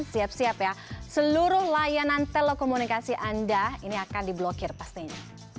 siap siap ya seluruh layanan telekomunikasi anda ini akan diblokir pastinya